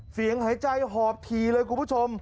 หายใจหอบทีเลยคุณผู้ชม